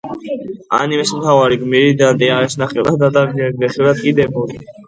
ანიმეს მთავარი გმირი დანტე არის ნახევრად ადამიანი, ნახევრად კი დემონი.